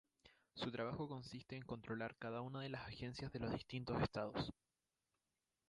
Su trabajo consiste en controlar cada una de las agencias de los distintos estados.